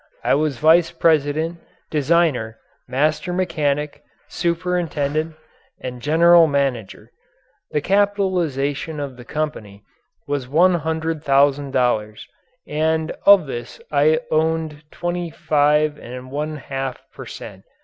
I was vice president, designer, master mechanic, superintendent, and general manager. The capitalization of the company was one hundred thousand dollars, and of this I owned 25 1/2 per cent.